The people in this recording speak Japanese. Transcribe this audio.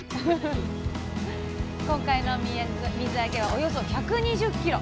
今回の水揚げはおよそ１２０ｋｇ。